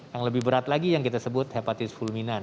yang lebih berat lagi yang kita sebut hepatitis fulminan